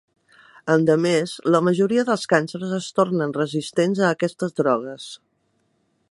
Endemés, la majoria dels càncers es tornen resistents a aquestes drogues.